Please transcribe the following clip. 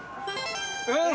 うん？